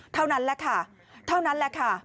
เท่านั้นแหละค่ะเท่านั้นแหละค่ะ